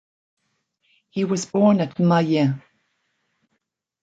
He was born at Maillen.